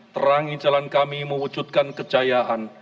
terangi jalan kami mewujudkan kejayaan